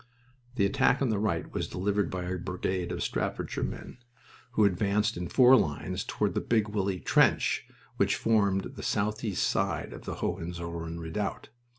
The attack on the right was delivered by a brigade of Staffordshire men, who advanced in four lines toward the Big Willie trench which formed the southeast side of the Hohenzollern redoubt.